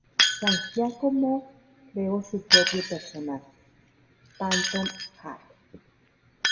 San Giacomo creó su propio personaje, Phantom Jack.